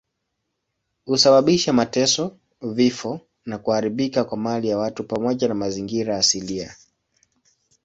Husababisha mateso, vifo na kuharibika kwa mali ya watu pamoja na mazingira asilia.